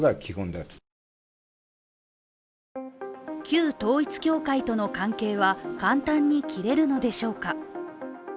旧統一教会との関係は簡単に切れるのでしょうか